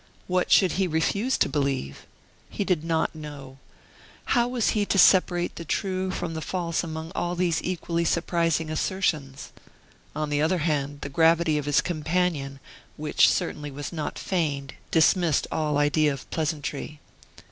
what should he refuse to believe? He did not know. How was he to separate the true from the false among all these equally surprising assertions? On the other hand, the gravity of his companion, which certainly was not feigned, dismissed all idea of pleasantry.